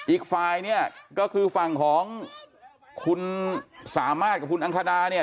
อีกฝ่ายเนี่ยก็คือฝั่งของคุณสามารถกับคุณอังคณาเนี่ย